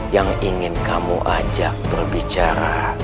yang ingin kamu ajak berbicara